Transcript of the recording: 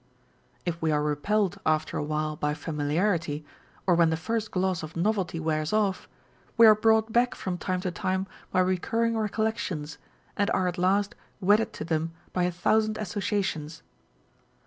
If we are repelled after a while by familiarity, or when the first gloss of novelty wears off, we are brought back from time to time by recurring recollections, and are at last wedded to them by a thousand associations.